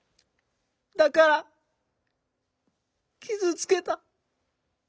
だから傷つけた。